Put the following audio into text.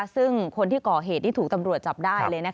ซึ่งคนที่ก่อเหตุที่ถูกตำรวจจับได้เลย